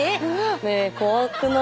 ねえ怖くない？